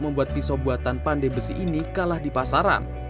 membuat pisau buatan pandai besi ini kalah di pasaran